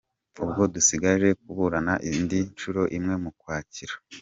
Ubwo dusigaje kuburana indi nshuro imwe mu Ukwakira.